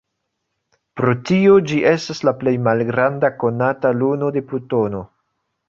Pro tio, ĝi estas la plej malgranda konata luno de Plutono.